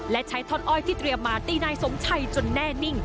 และใช้ท่อนอ้อยที่เตรียมมาตีนายสมชัยจนแน่นิ่ง